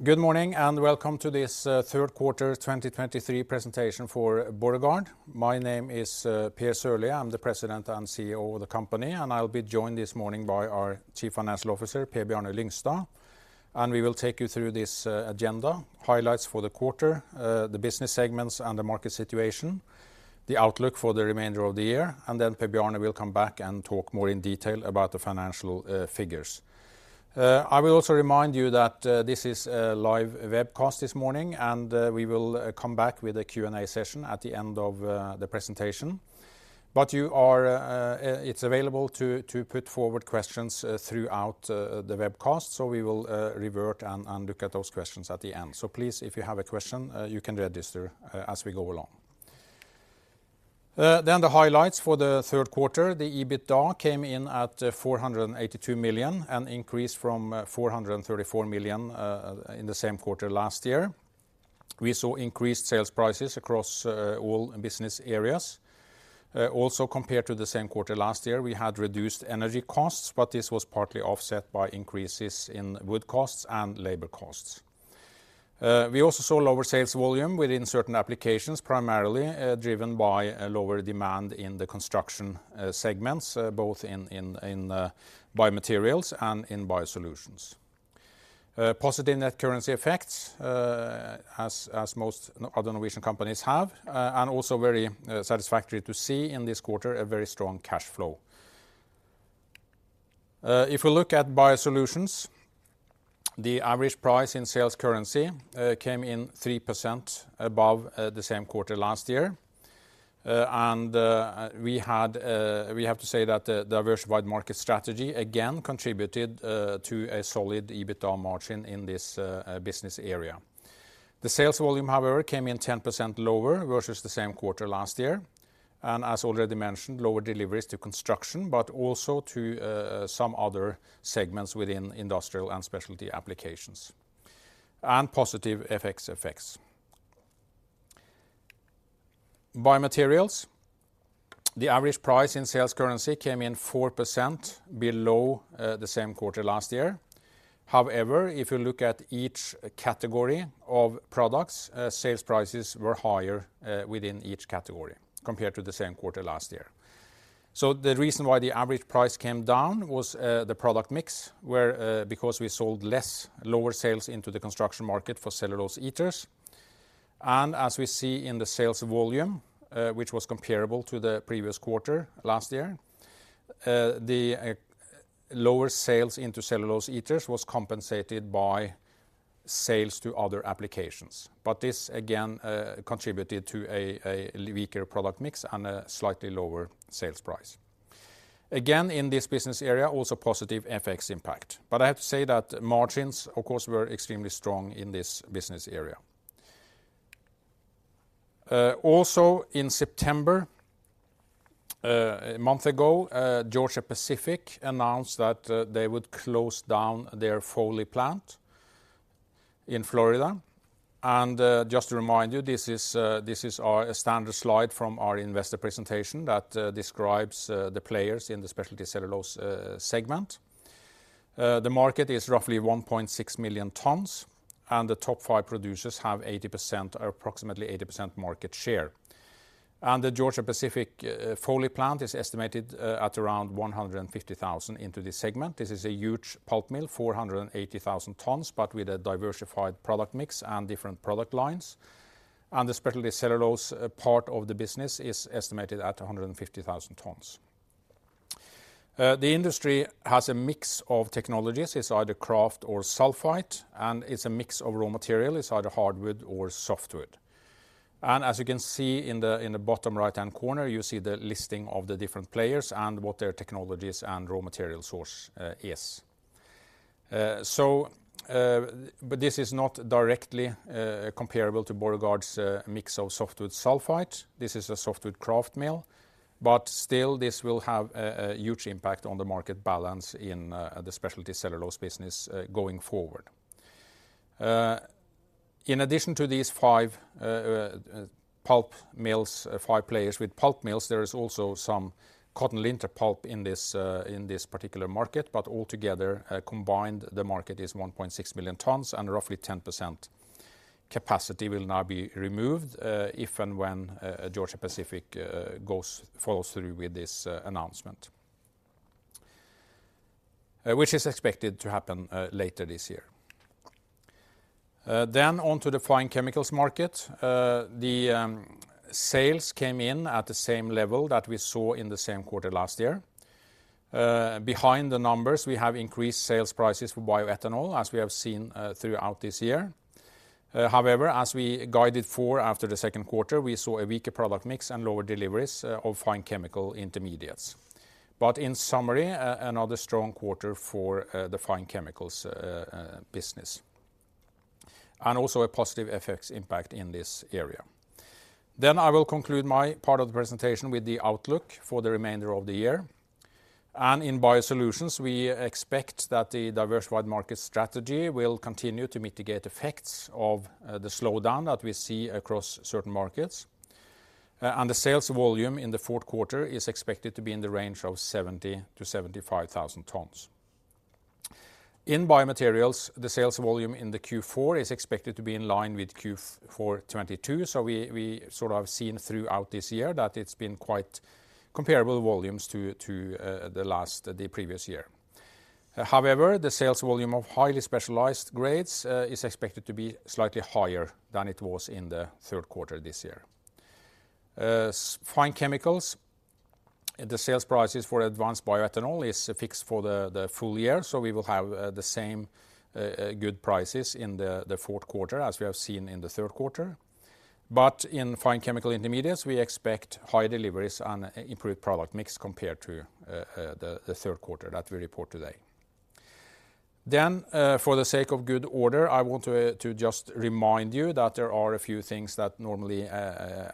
Good morning, and welcome to this third quarter 2023 presentation for Borregaard. My name is Per A. Sørlie. I'm the President and CEO of the company, and I'll be joined this morning by our Chief Financial Officer, Per Bjarne Lyngstad. We will take you through this agenda, highlights for the quarter, the business segments and the market situation, the outlook for the remainder of the year, and then Per Bjarne will come back and talk more in detail about the financial figures. I will also remind you that this is a live webcast this morning, and we will come back with a Q&A session at the end of the presentation. You are, it's available to put forward questions throughout the webcast, so we will revert and look at those questions at the end. So please, if you have a question, you can register as we go along. Then the highlights for the third quarter, the EBITDA came in at 482 million, an increase from 434 million in the same quarter last year. We saw increased sales prices across all business areas. Also, compared to the same quarter last year, we had reduced energy costs, but this was partly offset by increases in wood costs and labor costs. We also saw lower sales volume within certain applications, primarily driven by a lower demand in the construction segments, both in BioMaterials and in BioSolutions. Positive net currency effects, as most other Norwegian companies have, and also very satisfactory to see in this quarter, a very strong cash flow. If we look at BioSolutions, the average price in sales currency came in 3% above the same quarter last year. We have to say that the diversified market strategy again contributed to a solid EBITDA margin in this business area. The sales volume, however, came in 10% lower versus the same quarter last year, and as already mentioned, lower deliveries to construction, but also to some other segments within industrial and specialty applications, and positive FX effects. BioMaterials, the average price in sales currency came in 4% below the same quarter last year. However, if you look at each category of products, sales prices were higher within each category compared to the same quarter last year. So the reason why the average price came down was, the product mix, where, because we sold less, lower sales into the construction market for cellulose ethers. And as we see in the sales volume, which was comparable to the previous quarter last year, the, lower sales into cellulose ethers was compensated by sales to other applications. But this again, contributed to a, a weaker product mix and a slightly lower sales price. Again, in this business area, also positive FX impact. But I have to say that margins, of course, were extremely strong in this business area. Also in September, a month ago, Georgia-Pacific announced that, they would close down their Foley plant in Florida. Just to remind you, this is our standard slide from our investor presentation that describes the players in the specialty cellulose segment. The market is roughly 1.6 million tons, and the top five producers have 80%, or approximately 80% market share. The Georgia-Pacific Foley plant is estimated at around 150,000 tons into this segment. This is a huge pulp mill, 480,000 tons, but with a diversified product mix and different product lines. The specialty cellulose part of the business is estimated at 150,000 tons. The industry has a mix of technologies. It's either kraft or sulfite, and it's a mix of raw material. It's either hardwood or softwood. As you can see in the, in the bottom right-hand corner, you see the listing of the different players and what their technologies and raw material source is. So, but this is not directly comparable to Borregaard's mix of softwood sulfite. This is a softwood kraft mill, but still, this will have a huge impact on the market balance in the specialty cellulose business going forward. In addition to these five pulp mills, five players with pulp mills, there is also some cotton linter pulp in this particular market, but altogether, combined, the market is 1.6 million tons, and roughly 10% capacity will now be removed if and when Georgia-Pacific goes, follows through with this announcement, which is expected to happen later this year. Then onto the Fine Chemicals market. The sales came in at the same level that we saw in the same quarter last year. Behind the numbers, we have increased sales prices for bioethanol, as we have seen throughout this year. However, as we guided for after the second quarter, we saw a weaker product mix and lower deliveries of fine chemical intermediates. But in summary, another strong quarter for the Fine Chemicals business, and also a positive FX impact in this area. Then I will conclude my part of the presentation with the outlook for the remainder of the year. In BioSolutions, we expect that the diversified market strategy will continue to mitigate effects of the slowdown that we see across certain markets, and the sales volume in the fourth quarter is expected to be in the range of 70,000-75,000 tons. In BioMaterials, the sales volume in the Q4 is expected to be in line with Q4 2022, so we sort of have seen throughout this year that it's been quite comparable volumes to the previous year. However, the sales volume of highly specialized grades is expected to be slightly higher than it was in the third quarter this year. Fine Chemicals, the sales prices for advanced bioethanol is fixed for the full year, so we will have the same good prices in the fourth quarter as we have seen in the third quarter. But in fine chemical intermediates, we expect high deliveries and improved product mix compared to the third quarter that we report today. Then, for the sake of good order, I want to just remind you that there are a few things that normally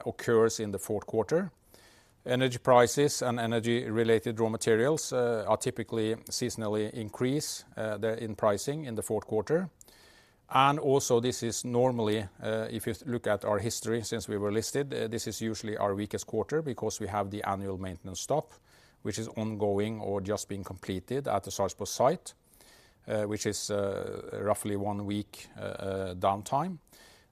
occurs in the fourth quarter. Energy prices and energy-related raw materials are typically seasonally increased in pricing in the fourth quarter. And also, this is normally, if you look at our history since we were listed, this is usually our weakest quarter because we have the annual maintenance stop, which is ongoing or just being completed at the Sarpsborg site, which is roughly one week downtime.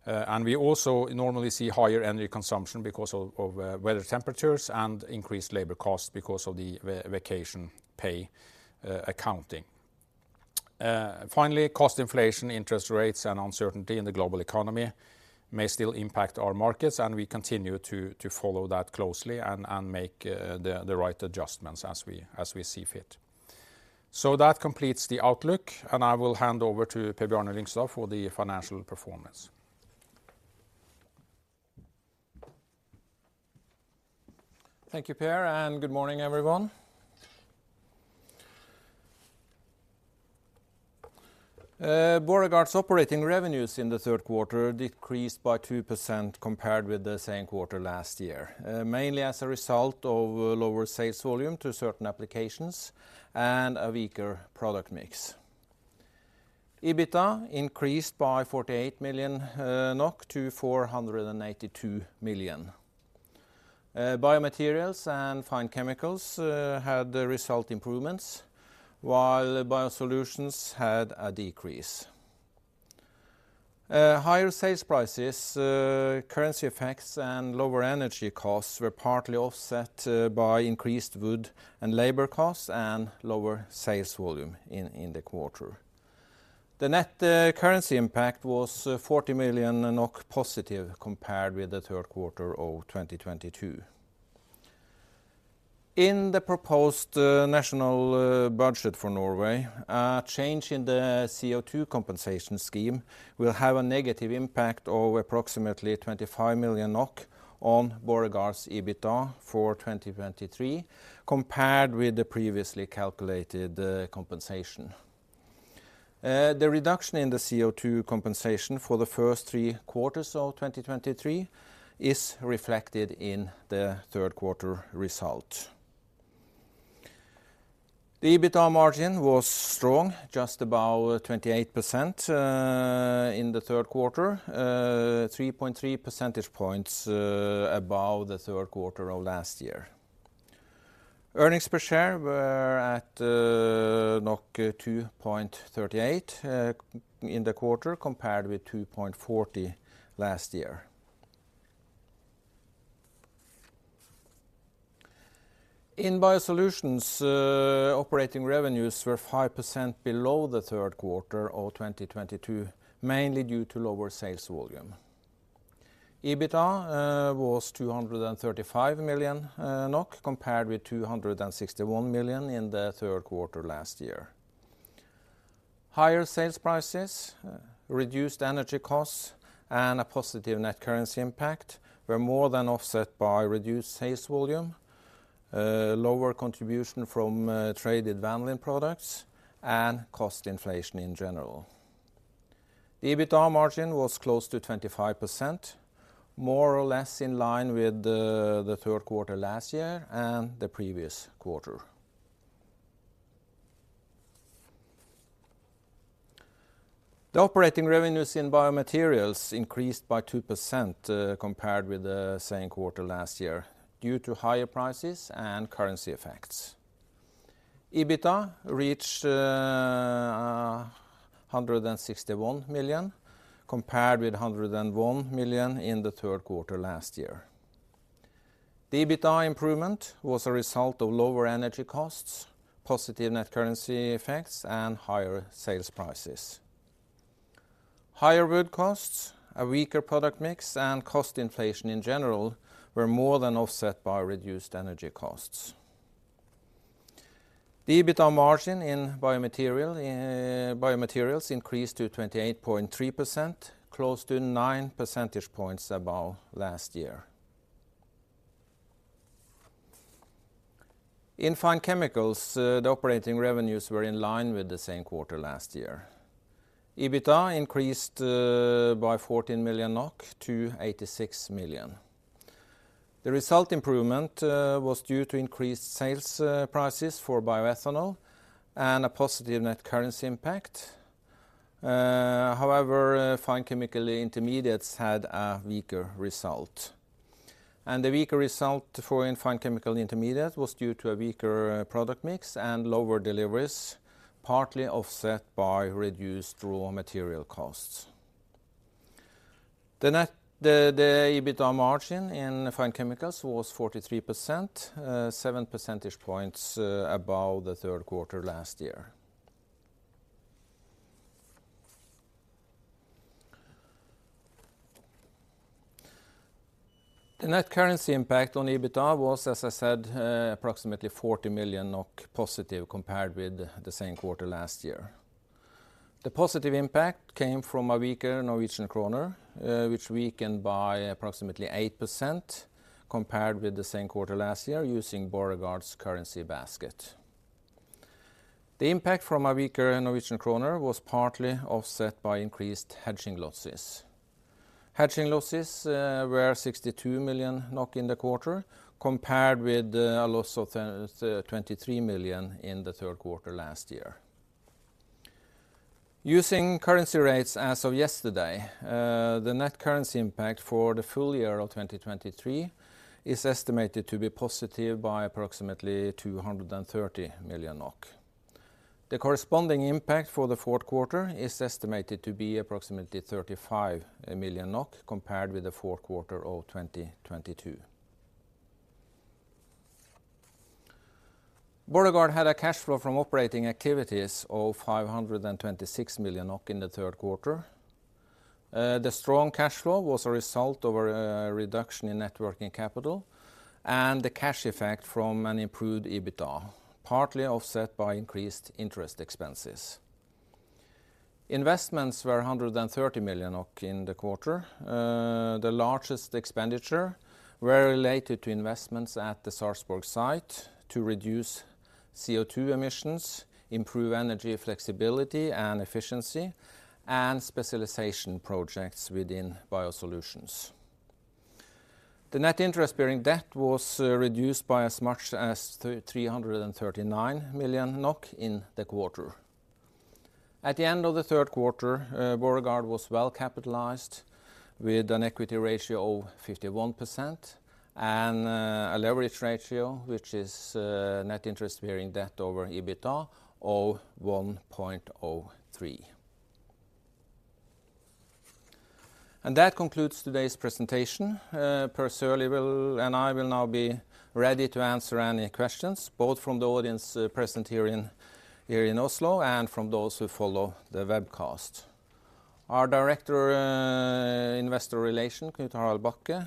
And we also normally see higher energy consumption because of weather temperatures and increased labor costs because of vacation pay accounting. Finally, cost inflation, interest rates, and uncertainty in the global economy may still impact our markets, and we continue to follow that closely and make the right adjustments as we see fit. So that completes the outlook, and I will hand over to Per Bjarne Lyngstad for the financial performance. Thank you, Per, and good morning, everyone. Borregaard's operating revenues in the third quarter decreased by 2% compared with the same quarter last year, mainly as a result of lower sales volume to certain applications and a weaker product mix. EBITDA increased by 48 million NOK to 482 million. BioMaterials and Fine Chemicals had the result improvements, while BioSolutions had a decrease. Higher sales prices, currency effects, and lower energy costs were partly offset by increased wood and labor costs and lower sales volume in the quarter. The net currency impact was 40 million NOK positive compared with the third quarter of 2022. In the proposed national budget for Norway, a change in the CO2 compensation scheme will have a negative impact of approximately 25 million NOK on Borregaard's EBITDA for 2023, compared with the previously calculated compensation. The reduction in the CO2 compensation for the first three quarters of 2023 is reflected in the third quarter result. The EBITDA margin was strong, just about 28%, in the third quarter, 3.3 percentage points above the third quarter of last year. Earnings per share were at 2.38 in the quarter, compared with 2.40 last year. In BioSolutions, operating revenues were 5% below the third quarter of 2022, mainly due to lower sales volume. EBITDA was 235 million NOK, compared with 261 million NOK in the third quarter last year. Higher sales prices, reduced energy costs, and a positive net currency impact were more than offset by reduced sales volume, lower contribution from traded vanillin products, and cost inflation in general. The EBITDA margin was close to 25%, more or less in line with the third quarter last year and the previous quarter. The operating revenues in BioMaterials increased by 2%, compared with the same quarter last year, due to higher prices and currency effects. EBITDA reached 161 million, compared with 101 million in the third quarter last year. The EBITDA improvement was a result of lower energy costs, positive net currency effects, and higher sales prices. Higher wood costs, a weaker product mix, and cost inflation in general were more than offset by reduced energy costs. The EBITDA margin in BioMaterials increased to 28.3%, close to 9 percentage points above last year. In Fine Chemicals, the operating revenues were in line with the same quarter last year. EBITDA increased by 14 million NOK to 86 million. The result improvement was due to increased sales prices for Bioethanol and a positive net currency impact. However, fine chemical intermediates had a weaker result. The weaker result in fine chemical intermediates was due to a weaker product mix and lower deliveries, partly offset by reduced raw material costs. The EBITDA margin in Fine Chemicals was 43%, seven percentage points above the third quarter last year. The net currency impact on EBITDA was, as I said, approximately 40 million NOK positive compared with the same quarter last year. The positive impact came from a weaker Norwegian kroner, which weakened by approximately 8% compared with the same quarter last year using Borregaard's currency basket. The impact from a weaker Norwegian kroner was partly offset by increased hedging losses. Hedging losses were 62 million NOK in the quarter, compared with a loss of 23 million NOK in the third quarter last year. Using currency rates as of yesterday, the net currency impact for the full year of 2023 is estimated to be positive by approximately 230 million NOK. The corresponding impact for the fourth quarter is estimated to be approximately 35 million NOK, compared with the fourth quarter of 2022. Borregaard had a cash flow from operating activities of 526 million in the third quarter. The strong cash flow was a result of a reduction in net working capital and the cash effect from an improved EBITDA, partly offset by increased interest expenses. Investments were 130 million in the quarter. The largest expenditure were related to investments at the Sarpsborg site to reduce CO2 emissions, improve energy flexibility and efficiency, and specialization projects within BioSolutions. The net interest-bearing debt was reduced by as much as three hundred and thirty-nine million NOK in the quarter. At the end of the third quarter, Borregaard was well-capitalized, with an equity ratio of 51% and a leverage ratio, which is net interest-bearing debt over EBITDA, of 1.03. That concludes today's presentation. Per A. Sørlie will and I will now be ready to answer any questions, both from the audience present here in Oslo, and from those who follow the webcast. Our Director of Investor Relations, Knut Harald Bakke,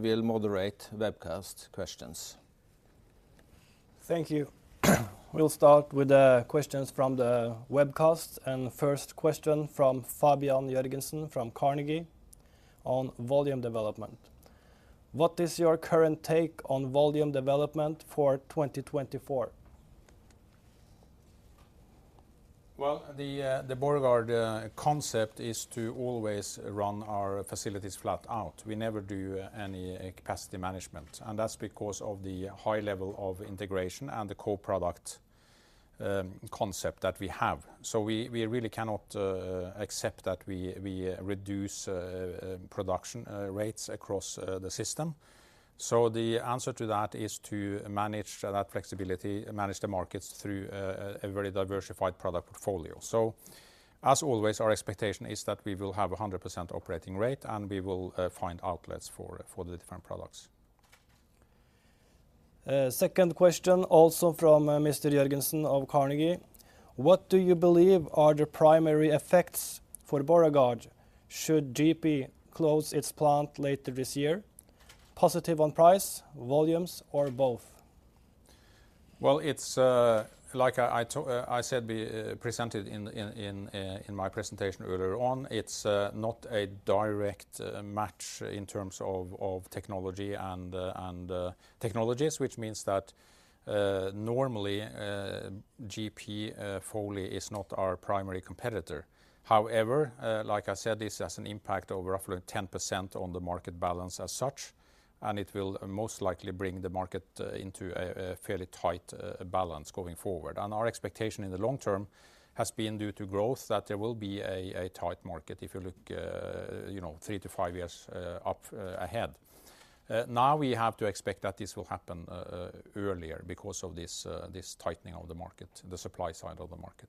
will moderate webcast questions. Thank you. We'll start with the questions from the webcast, and the first question from Fabian Jørgensen from Carnegie on volume development. What is your current take on volume development for 2024? Well, the Borregaard concept is to always run our facilities flat out. We never do any capacity management, and that's because of the high level of integration and the co-product concept that we have. So we really cannot accept that we reduce production rates across the system. So the answer to that is to manage that flexibility, manage the markets through a very diversified product portfolio. So as always, our expectation is that we will have a 100% operating rate, and we will find outlets for the different products. Second question, also from Mr. Jørgensen of Carnegie: What do you believe are the primary effects for Borregaard should GP close its plant later this year? Positive on price, volumes, or both? Well, it's like I said, we presented in my presentation earlier on, it's not a direct match in terms of technology and technologies, which means that normally GP Foley is not our primary competitor. However, like I said, this has an impact of roughly 10% on the market balance as such, and it will most likely bring the market into a fairly tight balance going forward. And our expectation in the long term has been due to growth, that there will be a tight market if you look you know three to five years up ahead. Now we have to expect that this will happen earlier because of this this tightening of the market, the supply side of the market.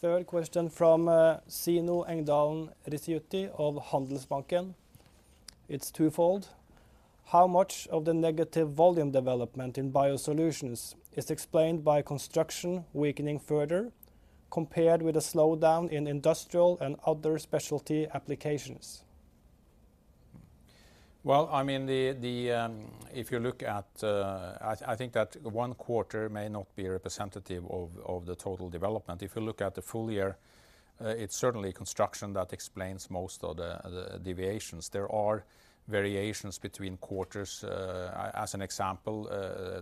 Third question from Sindre Engelstad of Handelsbanken. It's twofold. How much of the negative volume development in BioSolutions is explained by construction weakening further, compared with a slowdown in industrial and other specialty applications? Well, I mean, if you look at, I think that one quarter may not be representative of the total development. If you look at the full year, it's certainly construction that explains most of the deviations. There are variations between quarters. As an example,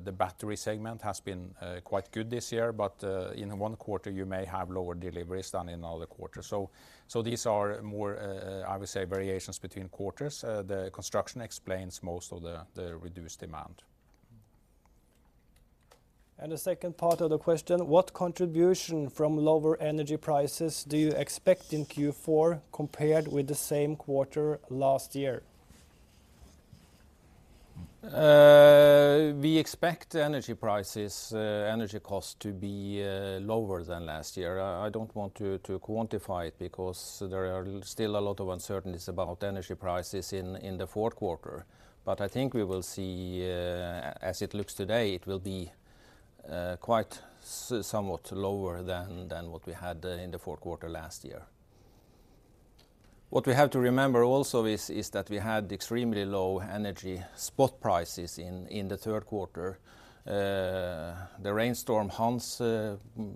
the battery segment has been quite good this year, but in one quarter you may have lower deliveries than in other quarters. So these are more, I would say, variations between quarters. The construction explains most of the reduced demand. And the second part of the question: what contribution from lower energy prices do you expect in Q4 compared with the same quarter last year? We expect energy prices, energy costs to be lower than last year. I don't want to quantify it because there are still a lot of uncertainties about energy prices in the fourth quarter. But I think we will see, as it looks today, it will be quite somewhat lower than what we had in the fourth quarter last year. What we have to remember also is that we had extremely low energy spot prices in the third quarter. The rainstorm Hans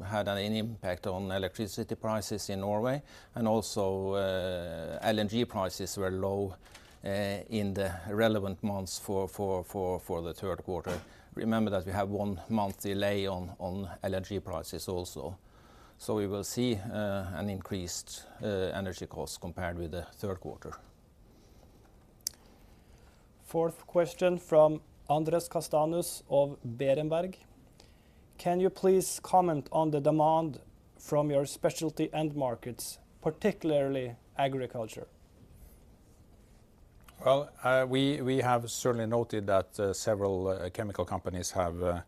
had an impact on electricity prices in Norway, and also, LNG prices were low in the relevant months for the third quarter. Remember that we have one month delay on LNG prices also. So we will see an increased energy cost compared with the third quarter. Fourth question from Andrés Castanos of Berenberg: Can you please comment on the demand from your specialty end markets, particularly agriculture? Well, we have certainly noted that several chemical companies have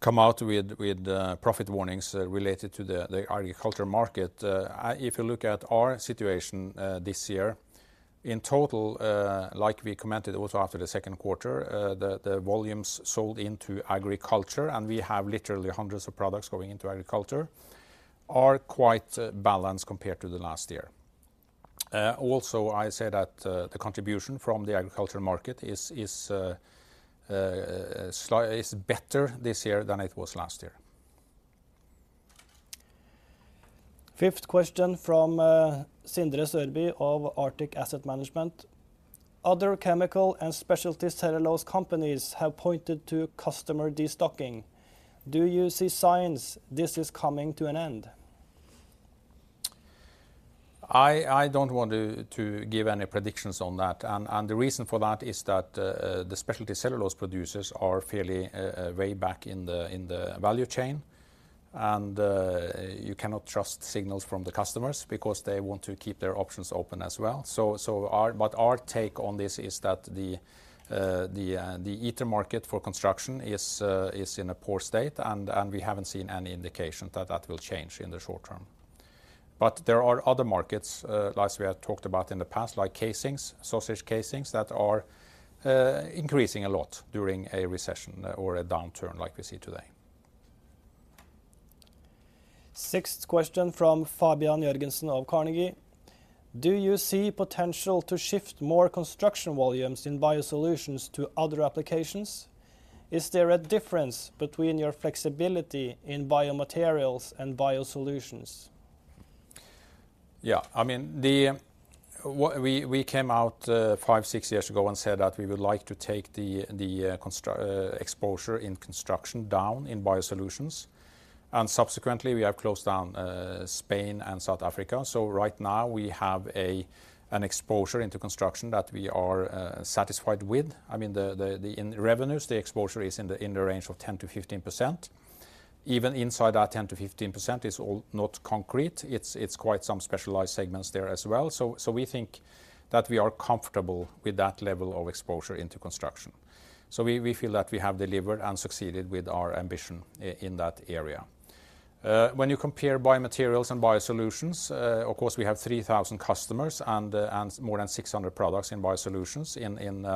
come out with profit warnings related to the agriculture market. If you look at our situation this year, in total, like we commented also after the second quarter, the volumes sold into agriculture, and we have literally hundreds of products going into agriculture, are quite balanced compared to the last year. Also, I say that the contribution from the agriculture market is better this year than it was last year. Fifth question from Sindre Sørbye of Arctic Asset Management: other chemical and specialty cellulose companies have pointed to customer destocking. Do you see signs this is coming to an end? I don't want to give any predictions on that, and the reason for that is that the specialty cellulose producers are fairly way back in the value chain. And you cannot trust signals from the customers because they want to keep their options open as well. But our take on this is that the ether market for construction is in a poor state, and we haven't seen any indication that that will change in the short term. But there are other markets, as we have talked about in the past, like casings, sausage casings, that are increasing a lot during a recession or a downturn like we see today. Sixth question from Fabian Jørgensen of Carnegie: Do you see potential to shift more construction volumes in BioSolutions to other applications? Is there a difference between your flexibility in BioMaterials and BioSolutions? Yeah, I mean, we came out five, six years ago and said that we would like to take the exposure in construction down in BioSolutions, and subsequently, we have closed down Spain and South Africa. So right now we have an exposure into construction that we are satisfied with. I mean, in revenues, the exposure is in the range of 10%-15%. Even inside that 10%-15% is all not concrete. It's quite some specialized segments there as well. So we think that we are comfortable with that level of exposure into construction. So we feel that we have delivered and succeeded with our ambition in that area. When you compare BioMaterials and BioSolutions, of course, we have 3,000 customers and more than 600 products in BioSolutions. In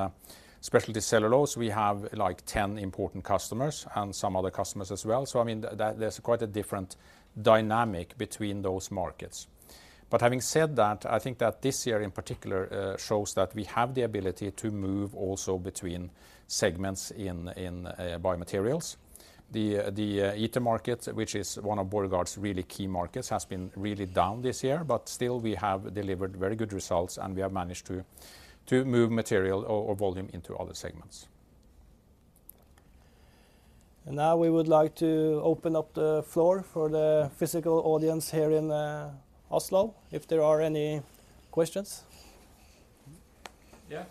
specialty cellulose, we have, like, 10 important customers and some other customers as well, so, I mean, that there's quite a different dynamic between those markets. But having said that, I think that this year in particular shows that we have the ability to move also between segments in BioMaterials. The ether market, which is one of Borregaard's really key markets, has been really down this year, but still, we have delivered very good results, and we have managed to move material or volume into other segments. Now we would like to open up the floor for the physical audience here in Oslo, if there are any questions. Yeah,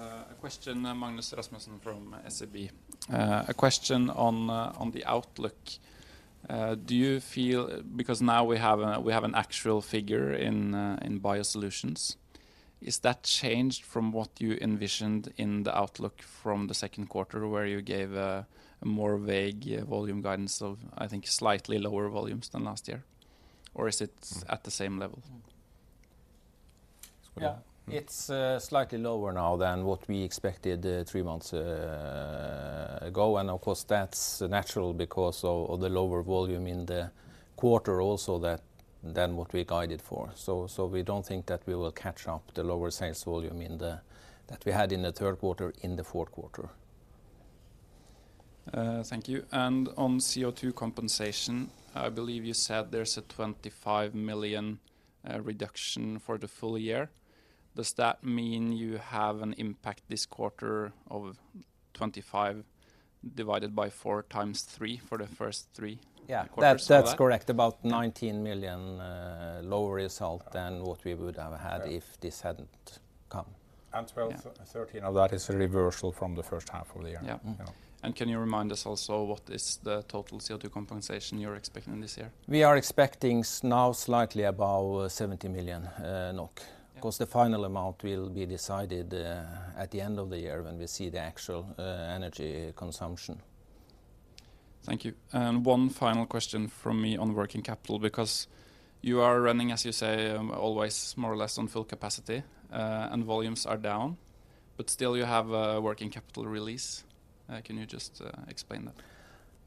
a question, Magnus Rasmussen from SEB. A question on the outlook: do you feel, because now we have a, we have an actual figure in BioSolutions, is that changed from what you envisioned in the outlook from the second quarter, where you gave a more vague volume guidance of, I think, slightly lower volumes than last year, or is it at the same level? Yeah, it's slightly lower now than what we expected three months ago, and of course, that's natural because of the lower volume in the quarter than what we guided for. So we don't think that we will catch up the lower sales volume in the... that we had in the third quarter, in the fourth quarter. Thank you. And on CO2 compensation, I believe you said there's a 25 million reduction for the full year. Does that mean you have an impact this quarter of 25 divided by 4 times 3 for the first three, Yeah quarters? That's correct. Yeah. About 19 million lower result than what we would have had if this hadn't come. And 12, 13 of that is a reversal from the first half of the year. Yeah. Can you remind us also what is the total CO2 compensation you're expecting this year? We are expecting now slightly above 70 million NOK. Yeah. Of course, the final amount will be decided at the end of the year when we see the actual energy consumption. Thank you. And one final question from me on working capital, because you are running, as you say, always more or less on full capacity, and volumes are down, but still you have a working capital release. Can you just explain that?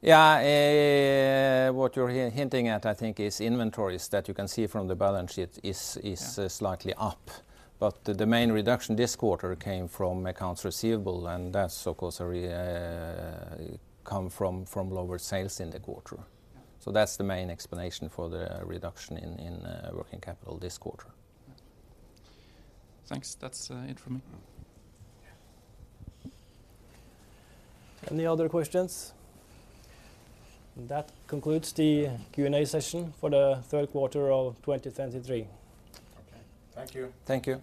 Yeah, what you're hinting at, I think, is inventories that you can see from the balance sheet is, Yeah slightly up. But the main reduction this quarter came from accounts receivable, and that's, of course, come from lower sales in the quarter. Yeah. So that's the main explanation for the reduction in working capital this quarter. Thanks. That's it for me. Any other questions? That concludes the Q&A session for the third quarter of 2023. Okay. Thank you. Thank you.